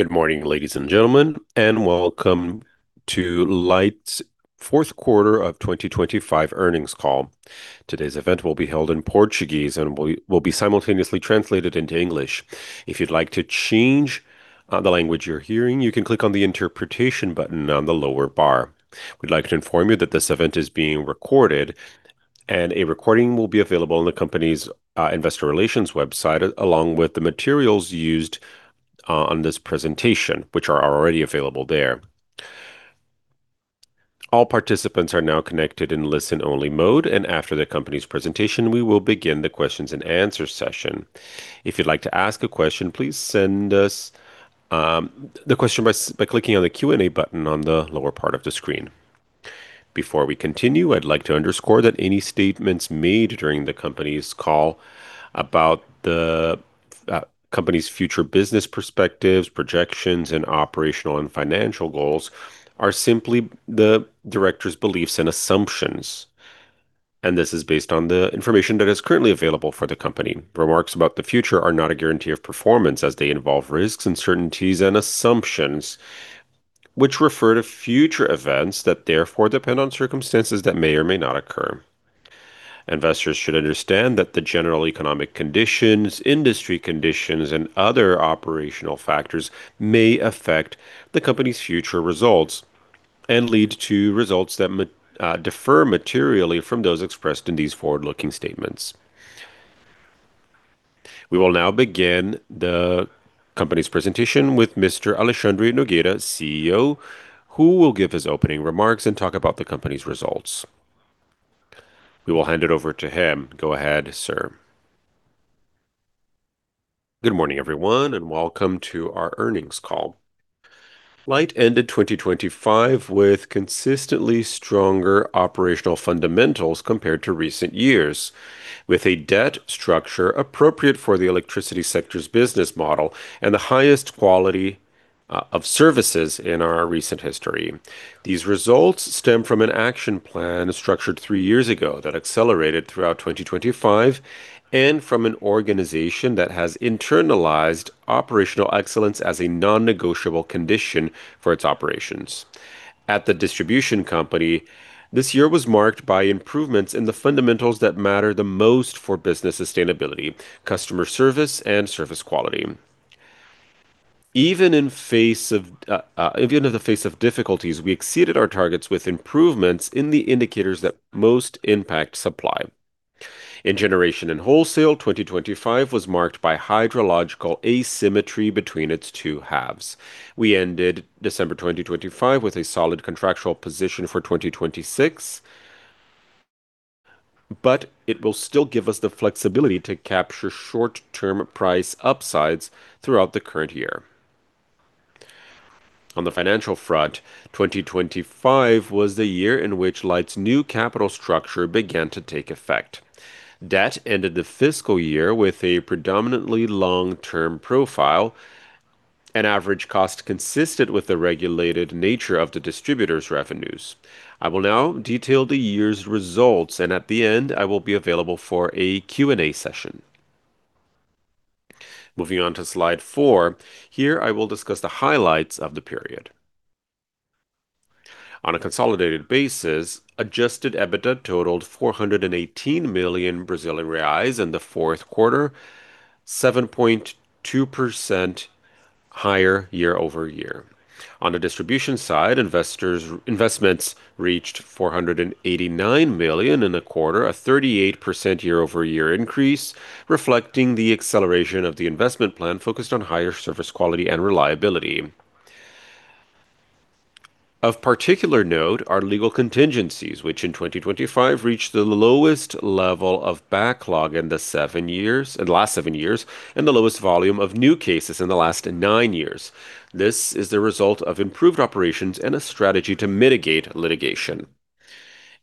Good morning, ladies and gentlemen, and welcome to Light's fourth quarter of 2025 earnings call. Today's event will be held in Portuguese and will be simultaneously translated into English. If you'd like to change the language you're hearing, you can click on the interpretation button on the lower bar. We'd like to inform you that this event is being recorded, and a recording will be available on the company's investor relations website, along with the materials used on this presentation, which are already available there. All participants are now connected in listen-only mode, and after the company's presentation, we will begin the questions and answer session. If you'd like to ask a question, please send us the question by clicking on the Q&A button on the lower part of the screen. Before we continue, I'd like to underscore that any statements made during the company's call about the company's future business perspectives, projections, and operational and financial goals are simply the directors' beliefs and assumptions, and this is based on the information that is currently available for the company. Remarks about the future are not a guarantee of performance as they involve risks, uncertainties, and assumptions which refer to future events that therefore depend on circumstances that may or may not occur. Investors should understand that the general economic conditions, industry conditions, and other operational factors may affect the company's future results and lead to results that differ materially from those expressed in these forward-looking statements. We will now begin the company's presentation with Mr. Alexandre Nogueira, CEO, who will give his opening remarks and talk about the company's results. We will hand it over to him. Good morning, everyone, and welcome to our earnings call. Light ended 2025 with consistently stronger operational fundamentals compared to recent years, with a debt structure appropriate for the electricity sector's business model and the highest quality of services in our recent history. These results stem from an action plan structured three years ago that accelerated throughout 2025 and from an organization that has internalized operational excellence as a non-negotiable condition for its operations. At the distribution company, this year was marked by improvements in the fundamentals that matter the most for business sustainability, customer service, and service quality. Even in the face of difficulties, we exceeded our targets with improvements in the indicators that most impact supply. In generation and wholesale, 2025 was marked by hydrological asymmetry between its two halves. We ended December 2025 with a solid contractual position for 2026, but it will still give us the flexibility to capture short-term price upsides throughout the current year. On the financial front, 2025 was the year in which Light's new capital structure began to take effect. Debt ended the fiscal year with a predominantly long-term profile and average cost consistent with the regulated nature of the distributor's revenues. I will now detail the year's results, and at the end, I will be available for a Q&A session. Moving on to slide 4. Here, I will discuss the highlights of the period. On a consolidated basis, adjusted EBITDA totaled 418 million Brazilian reais in the fourth quarter, 7.2% higher year-over-year. On the distribution side, investments reached 489 million in the quarter, a 38% year-over-year increase, reflecting the acceleration of the investment plan focused on higher service quality and reliability. Of particular note are legal contingencies, which in 2025 reached the lowest level of backlog in the last 7 years, and the lowest volume of new cases in the last 9 years. This is the result of improved operations and a strategy to mitigate litigation.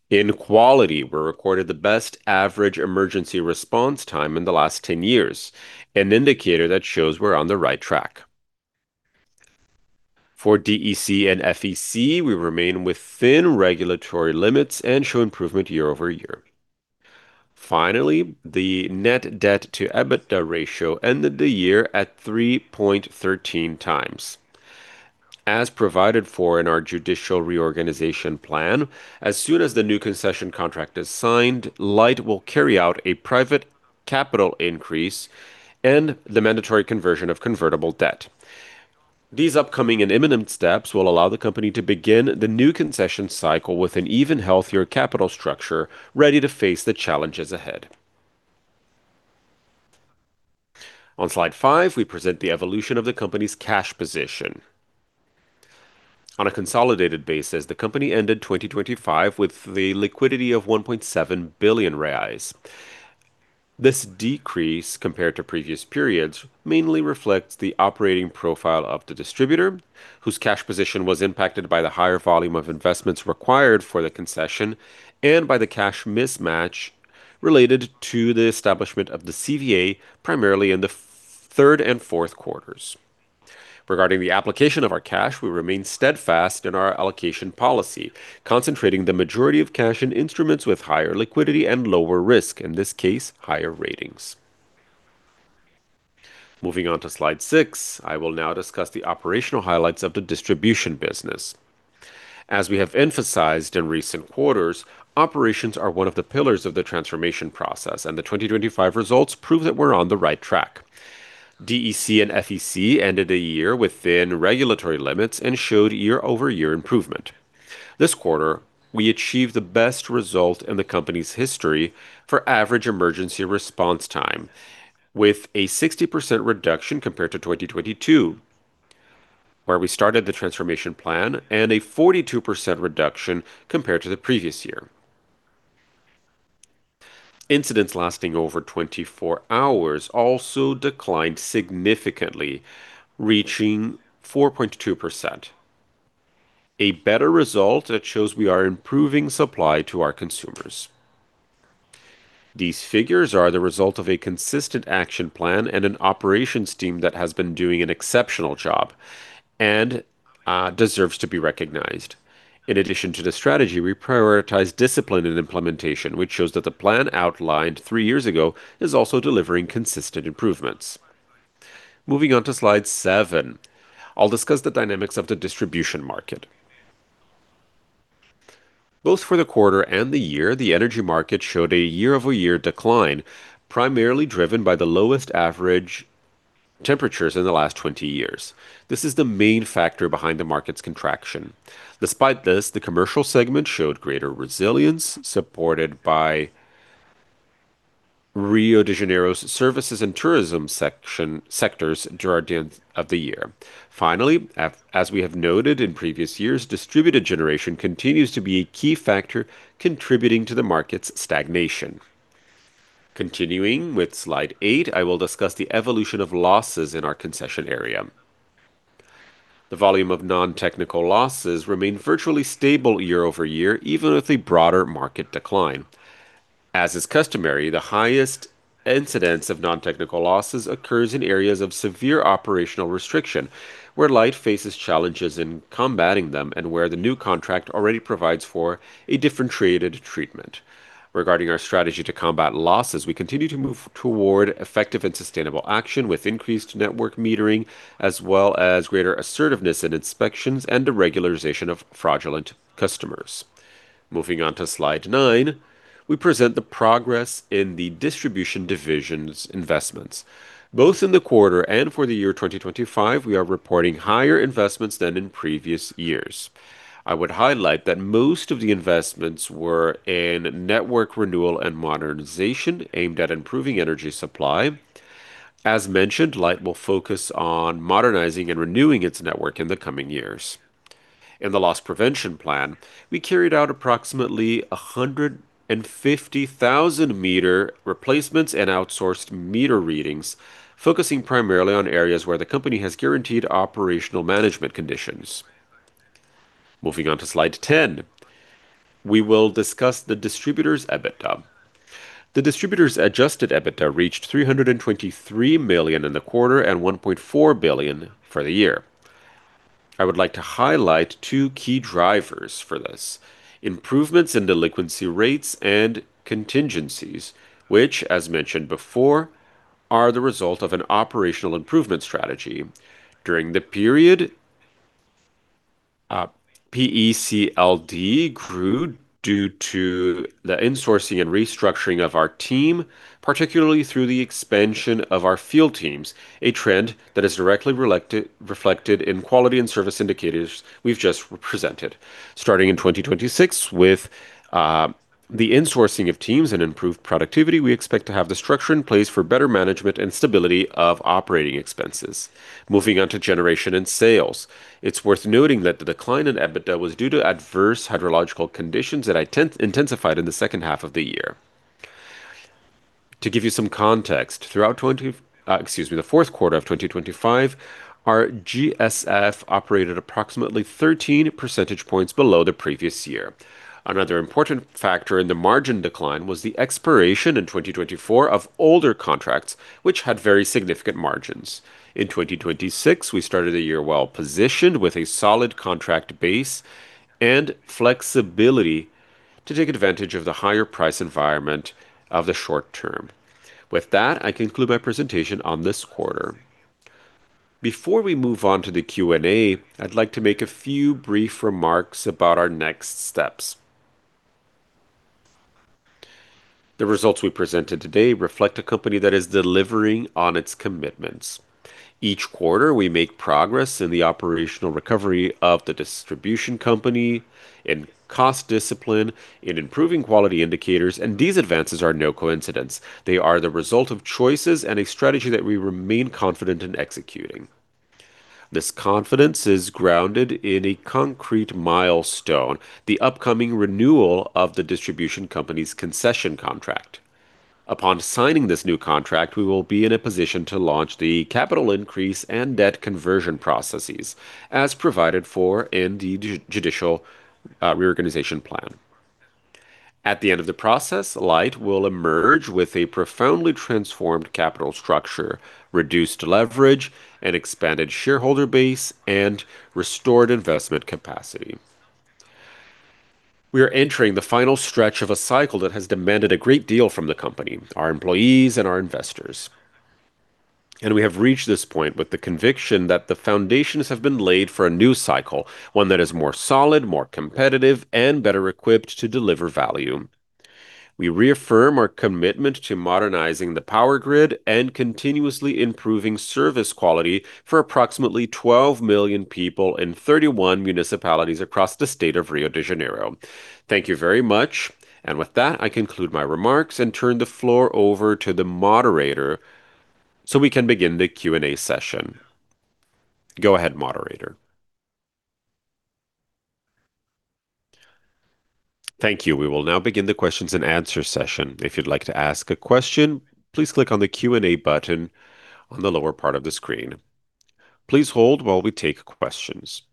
In quality, we recorded the best average emergency response time in the last 10 years, an indicator that shows we're on the right track. For DEC and FEC, we remain within regulatory limits and show improvement year-over-year. Finally, the net debt to EBITDA ratio ended the year at 3.13 times. As provided for in our judicial reorganization plan, as soon as the new concession contract is signed, Light will carry out a private capital increase and the mandatory conversion of convertible debt. These upcoming and imminent steps will allow the company to begin the new concession cycle with an even healthier capital structure, ready to face the challenges ahead. On slide 5, we present the evolution of the company's cash position. On a consolidated basis, the company ended 2025 with liquidity of 1.7 billion reais. This decrease compared to previous periods mainly reflects the operating profile of the distributor, whose cash position was impacted by the higher volume of investments required for the concession and by the cash mismatch related to the establishment of the CVA, primarily in the third and fourth quarters. Regarding the application of our cash, we remain steadfast in our allocation policy, concentrating the majority of cash in instruments with higher liquidity and lower risk, in this case, higher ratings. Moving on to slide 6, I will now discuss the operational highlights of the distribution business. As we have emphasized in recent quarters, operations are one of the pillars of the transformation process, and the 2025 results prove that we're on the right track. DEC and FEC ended the year within regulatory limits and showed year-over-year improvement. This quarter, we achieved the best result in the company's history for average emergency response time, with a 60% reduction compared to 2022, where we started the transformation plan, and a 42% reduction compared to the previous year. Incidents lasting over 24 hours also declined significantly, reaching 4.2%. A better result that shows we are improving supply to our consumers. These figures are the result of a consistent action plan and an operations team that has been doing an exceptional job and deserves to be recognized. In addition to the strategy, we prioritize discipline and implementation, which shows that the plan outlined three years ago is also delivering consistent improvements. Moving on to slide 7, I'll discuss the dynamics of the distribution market. Both for the quarter and the year, the energy market showed a year-over-year decline, primarily driven by the lowest average temperatures in the last 20 years. This is the main factor behind the market's contraction. Despite this, the commercial segment showed greater resilience, supported by Rio de Janeiro's services and tourism sectors during the end of the year. Finally, as we have noted in previous years, distributed generation continues to be a key factor contributing to the market's stagnation. Continuing with slide 8, I will discuss the evolution of losses in our concession area. The volume of non-technical losses remained virtually stable year-over-year, even with a broader market decline. As is customary, the highest incidence of non-technical losses occurs in areas of severe operational restriction, where Light faces challenges in combating them and where the new contract already provides for a differentiated treatment. Regarding our strategy to combat losses, we continue to move toward effective and sustainable action with increased network metering, as well as greater assertiveness in inspections and the regularization of fraudulent customers. Moving on to slide 9, we present the progress in the distribution division's investments. Both in the quarter and for the year 2025, we are reporting higher investments than in previous years. I would highlight that most of the investments were in network renewal and modernization aimed at improving energy supply. As mentioned, Light will focus on modernizing and renewing its network in the coming years. In the loss prevention plan, we carried out approximately 150,000 meter replacements and outsourced meter readings, focusing primarily on areas where the company has guaranteed operational management conditions. Moving on to slide 10, we will discuss the distributor's EBITDA. The distributor's adjusted EBITDA reached 323 million in the quarter and 1.4 billion for the year. I would like to highlight two key drivers for this, improvements in delinquency rates and contingencies, which, as mentioned before, are the result of an operational improvement strategy. During the period, PECLD grew due to the insourcing and restructuring of our team, particularly through the expansion of our field teams, a trend that is directly reflected in quality and service indicators we've just presented. Starting in 2026, with the insourcing of teams and improved productivity, we expect to have the structure in place for better management and stability of operating expenses. Moving on to generation and sales. It's worth noting that the decline in EBITDA was due to adverse hydrological conditions that intensified in the second half of the year. To give you some context, throughout the fourth quarter of 2025, our GSF operated approximately 13 percentage points below the previous year. Another important factor in the margin decline was the expiration in 2024 of older contracts, which had very significant margins. In 2026, we started the year well-positioned with a solid contract base and flexibility to take advantage of the higher price environment of the short term. With that, I conclude my presentation on this quarter. Before we move on to the Q&A, I'd like to make a few brief remarks about our next steps. The results we presented today reflect a company that is delivering on its commitments. Each quarter, we make progress in the operational recovery of the distribution company, in cost discipline, in improving quality indicators, and these advances are no coincidence. They are the result of choices and a strategy that we remain confident in executing. This confidence is grounded in a concrete milestone, the upcoming renewal of the distribution company's concession contract. Upon signing this new contract, we will be in a position to launch the capital increase and debt conversion processes as provided for in the judicial reorganization plan. At the end of the process, Light will emerge with a profoundly transformed capital structure, reduced leverage, an expanded shareholder base, and restored investment capacity. We are entering the final stretch of a cycle that has demanded a great deal from the company, our employees, and our investors. We have reached this point with the conviction that the foundations have been laid for a new cycle, one that is more solid, more competitive, and better equipped to deliver value. We reaffirm our commitment to modernizing the power grid and continuously improving service quality for approximately 12 million people in 31 municipalities across the state of Rio de Janeiro. Thank you very much. With that, I conclude my remarks and turn the floor over to the moderator so we can begin the Q&A session. Go ahead, moderator. Thank you. We will now begin the questions and answer session. If you'd like to ask a question, please click on the Q&A button on the lower part of the screen. Please hold while we take questions.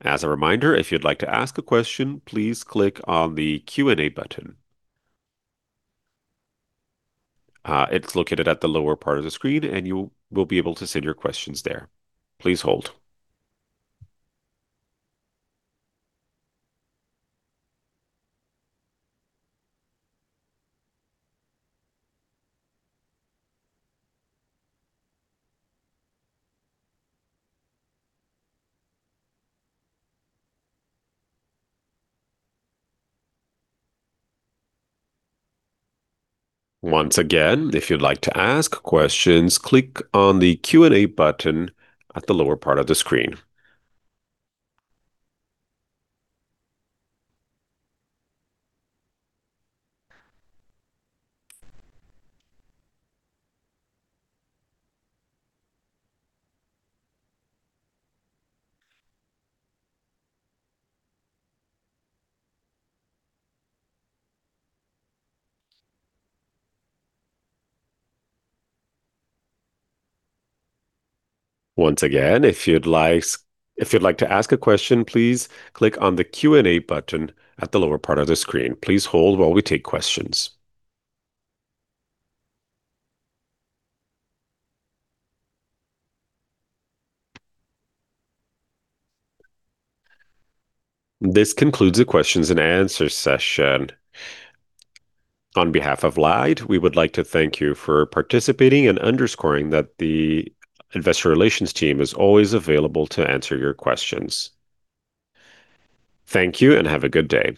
As a reminder, if you'd like to ask a question, please click on the Q&A button. It's located at the lower part of the screen, and you will be able to send your questions there. Please hold. Once again, if you'd like to ask questions, click on the Q&A button at the lower part of the screen. Once again, if you'd like to ask a question, please click on the Q&A button at the lower part of the screen. Please hold while we take questions. This concludes the questions and answers session. On behalf of Light, we would like to thank you for participating and underscoring that the investor relations team is always available to answer your questions. Thank you, and have a good day.